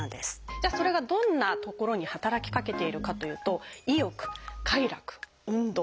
じゃあそれがどんな所に働きかけているかというと「意欲」「快楽」「運動」。